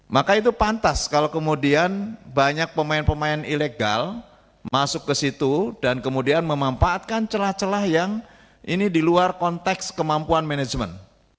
maka itu pantas kalau kemudian banyak pemain pemain ilegal masuk ke situ dan kemudian memanfaatkan celah celah yang ini di luar konteks kemampuan manajemen